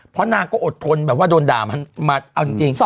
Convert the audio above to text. เพราะนางก็อดทนแบบว่าโดนด่ามันมาเอาจริง